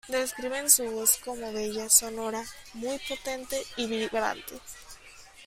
Describen su voz como bella, sonora, muy potente y vibrante.